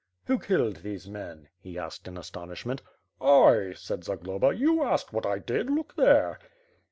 "Who killed these men?" he asked in astonishment. "I," said Zagloba, "you asked what I did, look there."